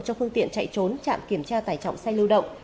cho phương tiện chạy trốn trạm kiểm tra tải trọng xe lưu động